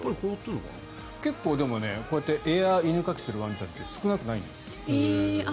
結構、こうやってエア犬かきするワンちゃんって少なくないんですって。